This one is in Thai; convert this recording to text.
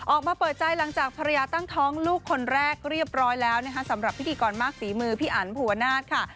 ออกมาเปิดใจหลังจากภรรยาตั้งท้องลูกคนแรกเรียบร้อยแล้วนะคะสำหรับพิธีกรมากฝีมือพี่อันภูวนาศค่ะ